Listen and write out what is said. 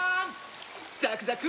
ザクザク！